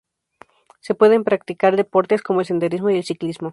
Se pueden practicar deportes como el senderismo y el ciclismo.